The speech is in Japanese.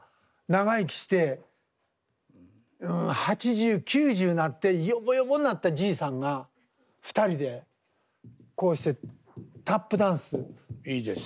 長生きして８０９０になってヨボヨボになったじいさんが２人でこうしてタップダンス踏みたいんです。